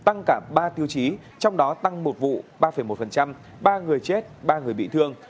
tăng cả ba tiêu chí trong đó tăng một vụ ba một ba người chết ba người bị thương